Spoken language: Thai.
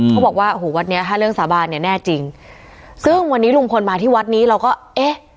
เขาบอกว่าโอ้โหวัดเนี้ยถ้าเรื่องสาบานเนี่ยแน่จริงซึ่งวันนี้ลุงพลมาที่วัดนี้เราก็เอ๊ะ